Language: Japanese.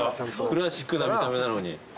クラシックな見た目なのに。